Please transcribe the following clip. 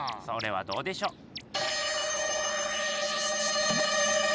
それはどうでしょう？